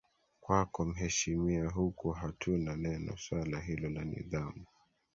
kwako mhesimiwa huku hatuna neno swala hilo la nidhamu